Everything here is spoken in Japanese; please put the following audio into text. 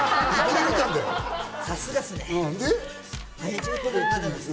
さすがっすね！